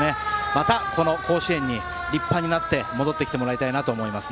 またこの甲子園に、立派になって戻ってきてもらいたいなと思います。